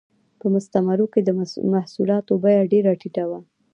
په مستعمرو کې د محصولاتو بیه ډېره ټیټه وه